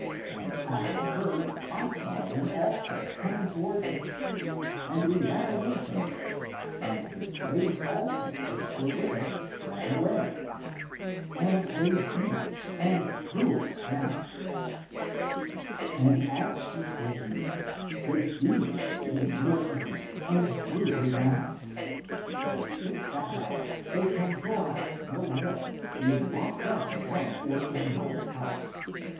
And after her I saw them also, coming towards us, and we ran away from them. And the slaves also, which were with us ran away. (And they) beat us, and threw us down. And as she told me this, the demons came near again and threw her down. And since that hour they can go out no more, being locked up in one or in another house.